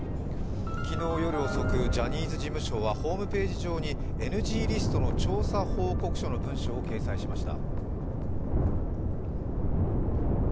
昨日夜遅く、ジャニーズ事務所はＮＧリストの調査報告書の文書を掲載しました。